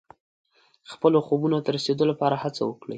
خپلو خوبونو ته د رسېدو لپاره هڅه وکړئ.